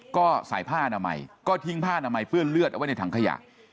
ก็ใส่ผ้าอนามัยก็ทิ้งผ้านามัยเปื้อนเลือดเอาไว้ในถังขยะ